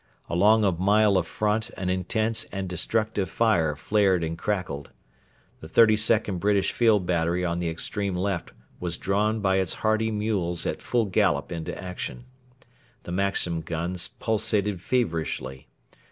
Along a mile of front an intense and destructive fire flared and crackled. The 32nd British Field Battery on the extreme left was drawn by its hardy mules at full gallop into action. The Maxim guns pulsated feverishly.